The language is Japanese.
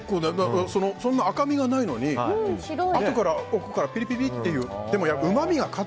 そんな赤みがないのにあとから、奥からピリピリっていう。